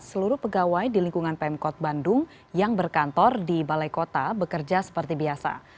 seluruh pegawai di lingkungan pemkot bandung yang berkantor di balai kota bekerja seperti biasa